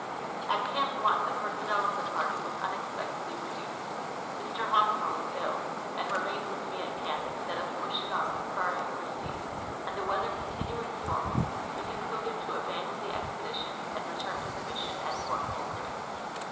At Camp 1 the personnel of the party Avas unexpectedly re duced. Mr. Hosnier Avas ill, and remained Avith me at camp instead of pushing on AAdth Kerr and Christie ; and the Aveather continuing stormy, he concluded to abandon the expedition and return to the mission at Port Mulgrave.